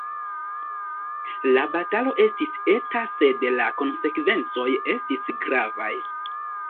La batalo estis eta sed la konsekvencoj estis gravaj.